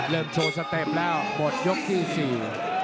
เริ่มโชว์สเต็ปแล้วหมดยกที่๔